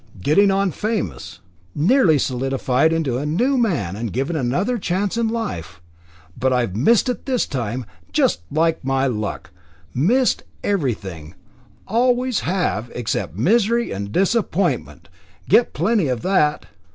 Getting on famous. Nearly solidified into a new man; and given another chance in life. But I've missed it this time. Just like my luck. Miss everything. Always have, except misery and disappointment. Get plenty of that."